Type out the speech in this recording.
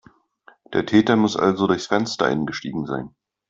Der Täter muss also durchs Fenster eingestiegen sein.